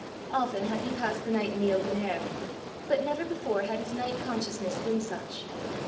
Often had he passed the night in the open air, but never before had his night consciousness been such!